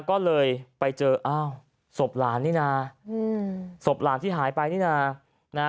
ก็เลยไปเจอสบหลานนี่นาสบหลานที่หายไปนี่นา